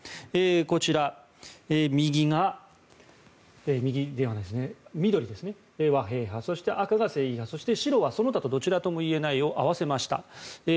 こちら、緑が和平派そして、赤が正義派白がその他とどちらともいえないを足しました。